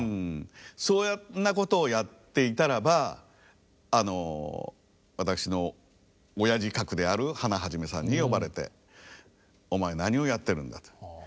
そんなことをやっていたらば私の親父格であるハナ肇さんに呼ばれて「お前何をやってるんだ」と。